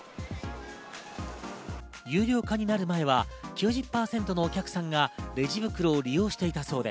有料化になる前は９０％のお客さんがレジ袋を利用していたそうで。